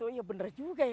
ya benar juga ya